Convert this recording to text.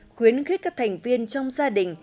khuyến khích các thành viên trong gia đình